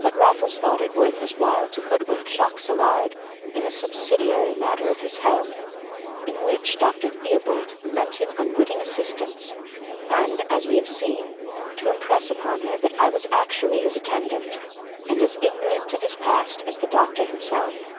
But Raffles thought it worth his while to hoodwink Jacques Saillard in the subsidiary matter of his health, in which Dr. Theobald lent him unwitting assistance, and, as we have seen, to impress upon her that I was actually his attendant, and as ignorant of his past as the doctor himself.